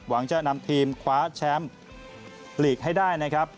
หวังจะนำทีมคว้าแชมป์ลีกให้ได้นะครับ